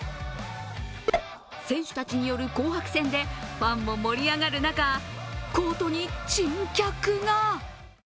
選手たちによる紅白戦でファンも盛り上がる中、コートに珍客が。